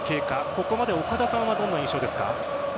ここまで岡田さんはどんな印象ですか？